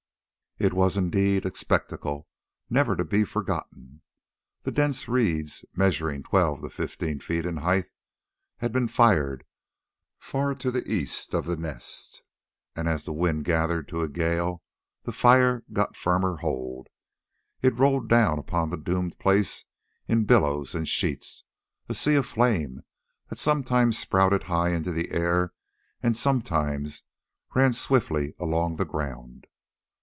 It was indeed a spectacle never to be forgotten. The dense reeds, measuring twelve to fifteen feet in height, had been fired far to the east of the Nest, and as the wind gathered to a gale and the fire got firmer hold, it rolled down upon the doomed place in billows and sheets—a sea of flame that sometimes spouted high into the air and sometimes ran swiftly along the ground.